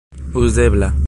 uzebla